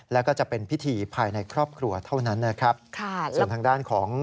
และจะเป็นพิธีภายในครอบครัวเท่านั้น